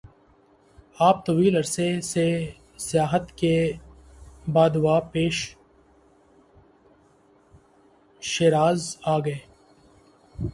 آپ طویل عرصہ سے سیاحت کے بعدواپس شیراز آگئے-